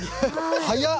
早っ！